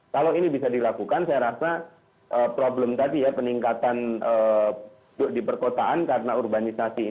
kalau ini bisa dilakukan saya rasa problem tadi ya peningkatan